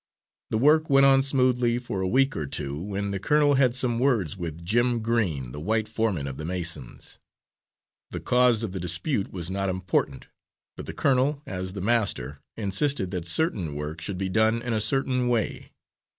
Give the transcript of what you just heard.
The work went on smoothly for a week or two, when the colonel had some words with Jim Green, the white foreman of the masons. The cause of the dispute was not important, but the colonel, as the master, insisted that certain work should be done in a certain way.